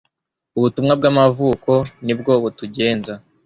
Ubutumwa bw'amavuko ni bwo butugenza